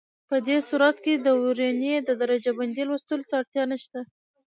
په دې صورت کې د ورنيې د درجه بندۍ لوستلو ته اړتیا نشته.